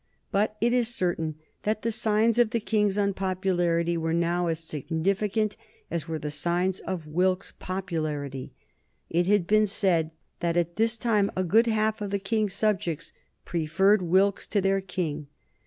But it is certain that the signs of the King's unpopularity were now as significant as were the signs of Wilkes's popularity. It had been said that at this time a good half of the King's subjects preferred Wilkes to their King.